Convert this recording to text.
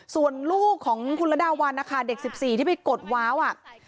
ส่วนลูกของคุณระดาวันนะคะเด็ก๑๔ที่ไปกดว้าวอ่ะ